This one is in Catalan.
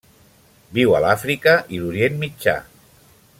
Viu a l'Àfrica i l'Orient Mitjà.